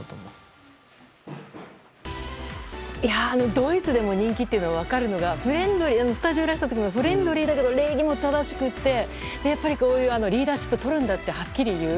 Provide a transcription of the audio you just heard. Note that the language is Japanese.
ドイツでも人気というのが分かるのがスタジオにいらした時もフレンドリーだけど礼儀も正しくてリーダーシップをとるんだとはっきり言う。